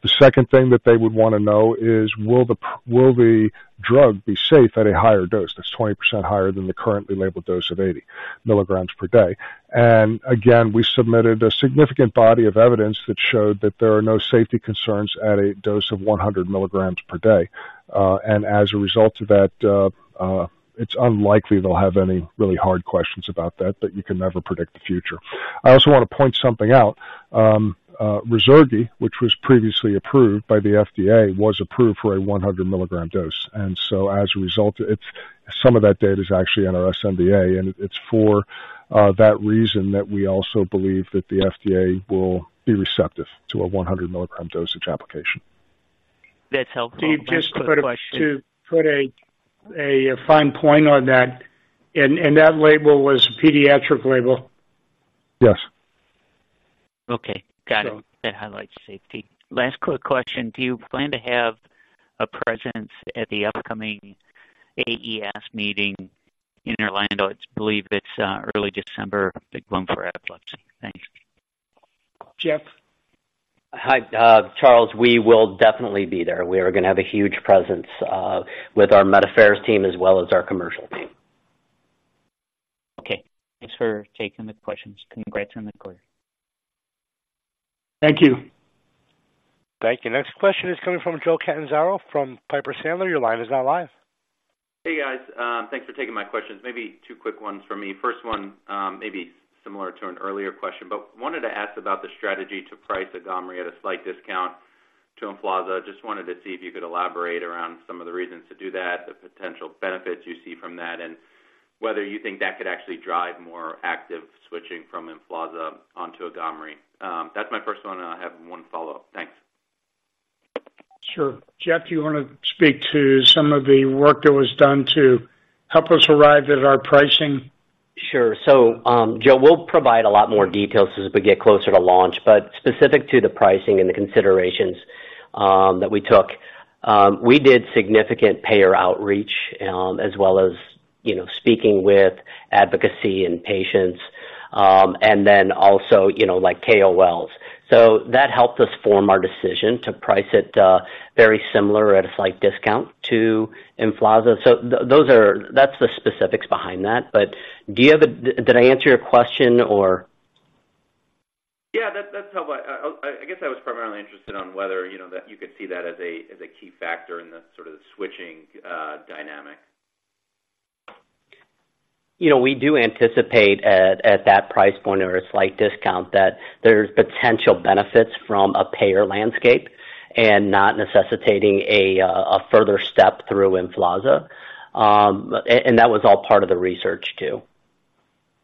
The second thing that they would wanna know is, will the drug be safe at a higher dose, that's 20% higher than the currently labeled dose of 80 mg per day? And again, we submitted a significant body of evidence that showed that there are no safety concerns at a dose of 100 mg per day. And as a result of that, it's unlikely they'll have any really hard questions about that, but you can never predict the future. I also want to point something out. Ruzurgi, which was previously approved by the FDA, was approved for a 100 mg dose. And so as a result, some of that data is actually in our sNDA, and it's for that reason that we also believe that the FDA will be receptive to a 100 mg dosage application. That's helpful. Steve, just to put a fine point on that, and that label was a pediatric label. Yes. Okay, got it. So- That highlights safety. Last quick question: Do you plan to have a presence at the upcoming AES meeting in Orlando? It's, I believe it's, early December, a big one for epilepsy. Thanks. Jeff? Hi, Charles. We will definitely be there. We are gonna have a huge presence with our Medical Affairs team as well as our commercial team. Okay, thanks for taking the questions. Congrats on the quarter. Thank you. Thank you. Next question is coming from Joe Catanzaro from Piper Sandler. Your line is now live. Hey, guys. Thanks for taking my questions. Maybe two quick ones from me. First one, maybe similar to an earlier question, but wanted to ask about the strategy to price AGAMREE at a slight discount to Emflaza. Just wanted to see if you could elaborate around some of the reasons to do that, the potential benefits you see from that, and whether you think that could actually drive more active switching from Emflaza onto AGAMREE. That's my first one, and I have one follow-up. Thanks. Sure. Jeff, do you wanna speak to some of the work that was done to help us arrive at our pricing? Sure. So, Joe, we'll provide a lot more details as we get closer to launch. But specific to the pricing and the considerations that we took, we did significant payer outreach, as well as, you know, speaking with advocacy and patients, and then also, you know, like, KOLs. So that helped us form our decision to price it very similar, at a slight discount to Emflaza. So those are-- that's the specifics behind that. But do you have a... Did I answer your question, or? Yeah, that's helpful. I guess I was primarily interested on whether, you know, that you could see that as a key factor in the sort of switching dynamic. You know, we do anticipate at that price point or a slight discount, that there's potential benefits from a payer landscape and not necessitating a further step through Emflaza. And that was all part of the research, too.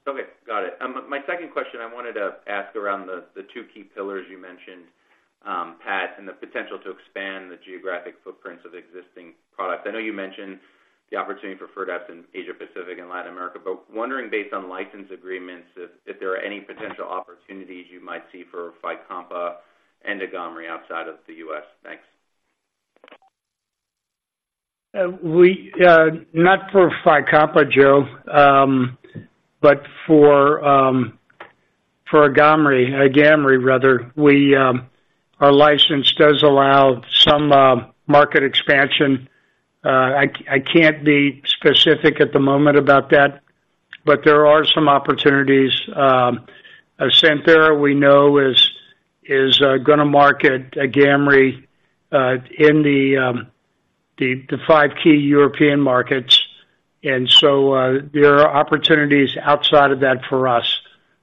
Okay, got it. My second question I wanted to ask around the, the two key pillars you mentioned, Pat, and the potential to expand the geographic footprints of the existing product. I know you mentioned the opportunity for FIRDAPSE in Asia-Pacific and Latin America, but wondering, based on license agreements, if, if there are any potential opportunities you might see for FYCOMPA and AGAMREE outside of the U.S. Thanks. We're not for FYCOMPA, Joe, but for AGAMREE, AGAMREE rather, our license does allow some market expansion. I can't be specific at the moment about that, but there are some opportunities. Santhera, we know, is gonna market AGAMREE in the five key European markets, and so there are opportunities outside of that for us.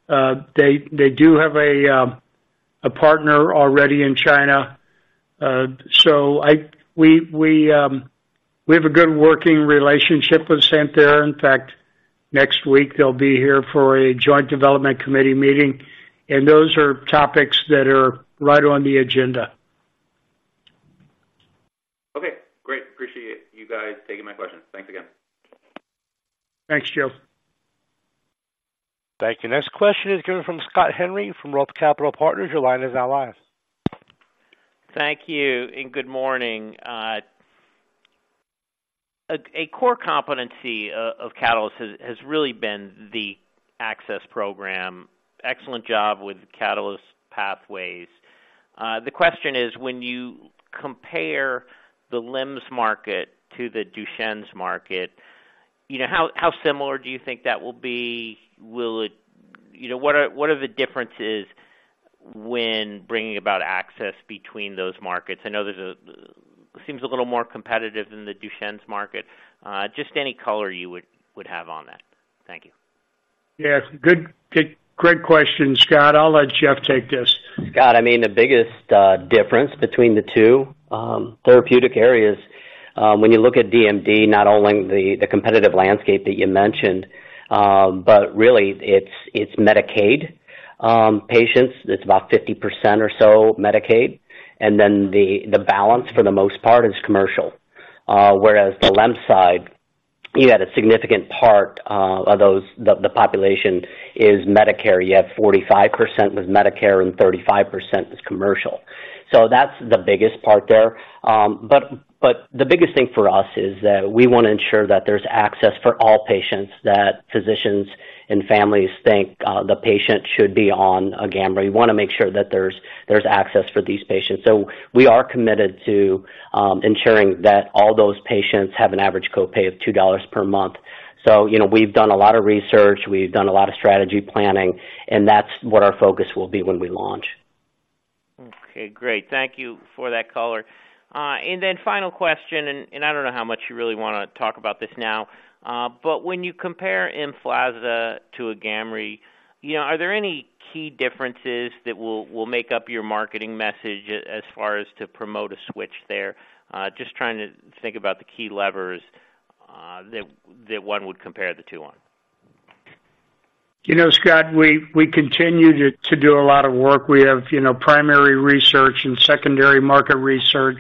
They do have a partner already in China. So we have a good working relationship with Santhera. In fact, next week, they'll be here for a joint development committee meeting, and those are topics that are right on the agenda. Okay, great. Appreciate you guys taking my questions. Thanks again. Thanks, Joe. Thank you. Next question is coming from Scott Henry, from Roth Capital Partners. Your line is now live. Thank you, and good morning. A core competency of Catalyst has really been the access program. Excellent job with Catalyst Pathways. The question is, when you compare the LEMS market to the Duchenne's market, you know, how similar do you think that will be? Will it... You know, what are the differences when bringing about access between those markets? I know there seems a little more competitive in the Duchenne's market. Just any color you would have on that. Thank you. Yeah, good, good, great question, Scott. I'll let Jeff take this. Scott, I mean, the biggest difference between the two therapeutic areas, when you look at DMD, not only the competitive landscape that you mentioned, but really it's Medicaid patients. It's about 50% or so Medicaid, and then the balance, for the most part, is commercial. Whereas the LEMS side, you had a significant part of those, the population is Medicare. You have 45% with Medicare and 35% is commercial. So that's the biggest part there. But the biggest thing for us is that we wanna ensure that there's access for all patients, that physicians and families think the patient should be on AGAMREE. We wanna make sure that there's access for these patients. We are committed to ensuring that all those patients have an average copay of $2 per month. You know, we've done a lot of research, we've done a lot of strategy planning, and that's what our focus will be when we launch. Okay, great. Thank you for that color. And then final question, and I don't know how much you really wanna talk about this now, but when you compare Emflaza to AGAMREE, you know, are there any key differences that will make up your marketing message as far as to promote a switch there? Just trying to think about the key levers that one would compare the two on. You know, Scott, we continue to do a lot of work. We have, you know, primary research and secondary market research,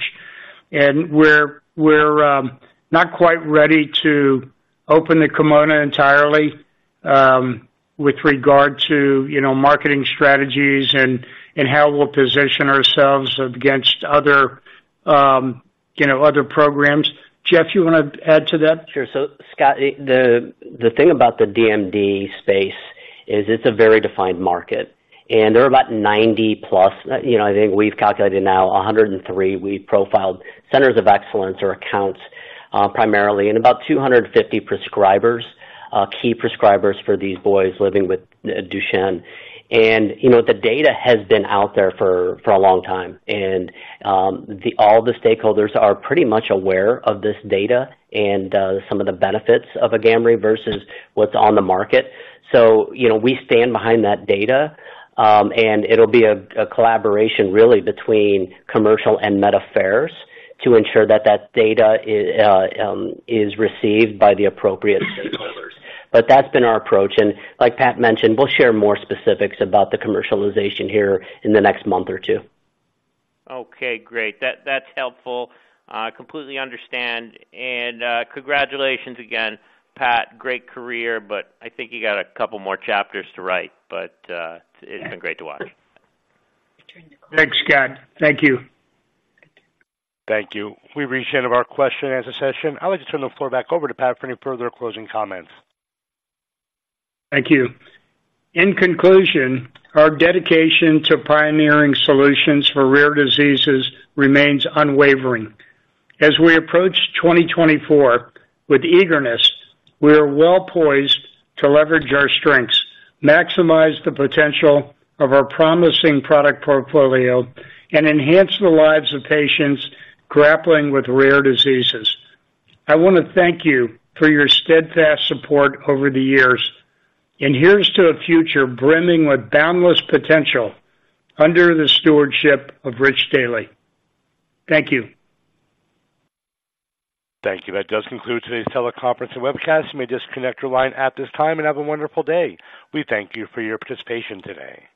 and we're not quite ready to open the kimono entirely, with regard to, you know, marketing strategies and how we'll position ourselves against other, you know, other programs. Jeff, you wanna add to that? Sure. So Scott, the thing about the DMD space is it's a very defined market, and there are about 90+, you know, I think we've calculated now 103. We've profiled centers of excellence or accounts, primarily, and about 250 prescribers, key prescribers for these boys living with Duchenne. And, you know, the data has been out there for a long time, and all the stakeholders are pretty much aware of this data and some of the benefits of AGAMREE versus what's on the market. So, you know, we stand behind that data, and it'll be a collaboration really between commercial and Med Affairs to ensure that that data is received by the appropriate stakeholders. That's been our approach, and like Pat mentioned, we'll share more specifics about the commercialization here in the next month or two. Okay, great. That, that's helpful. Completely understand, and congratulations again, Pat. Great career, but I think you got a couple more chapters to write, but it's been great to watch. Thanks, Scott. Thank you. Thank you. We've reached the end of our question-and-answer session. I'd like to turn the floor back over to Pat for any further closing comments. Thank you. In conclusion, our dedication to pioneering solutions for rare diseases remains unwavering. As we approach 2024 with eagerness, we are well poised to leverage our strengths, maximize the potential of our promising product portfolio, and enhance the lives of patients grappling with rare diseases. I wanna thank you for your steadfast support over the years, and here's to a future brimming with boundless potential under the stewardship of Rich Daly. Thank you. Thank you. That does conclude today's teleconference and webcast. You may disconnect your line at this time and have a wonderful day. We thank you for your participation today.